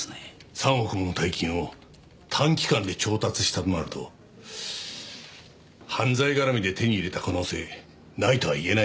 ３億もの大金を短期間で調達したとなると犯罪絡みで手に入れた可能性ないとはいえないな。